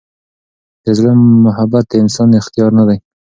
د زړه محبت د انسان اختیار نه دی.